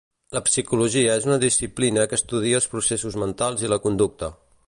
La psicologia és una disciplina que estudia els processos mentals i la conducta.